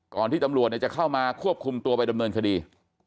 ที่ตำรวจจะเข้ามาควบคุมตัวไปดำเนินคดี